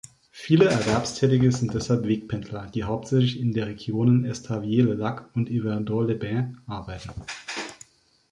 Viele Erwerbstätige sind deshalb Wegpendler, die hauptsächlich in der Regionen Estavayer-le-Lac und Yverdon-les-Bains arbeiten.